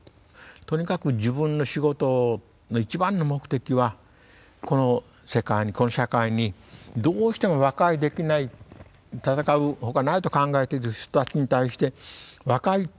とにかく自分の仕事の一番の目的はこの世界にこの社会にどうしても和解できない戦うほかないと考えている人たちに対して和解というものをもたらす。